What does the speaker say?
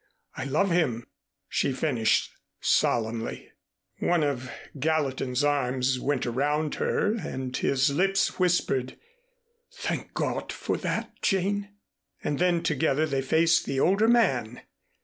I love him," she finished solemnly. One of Gallatin's arms went around her and his lips whispered, "Thank God for that, Jane." And then together they faced the older man.